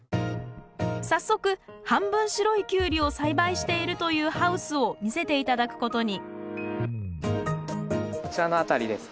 早速半分白いキュウリを栽培しているというハウスを見せて頂くことにこちらの辺りです。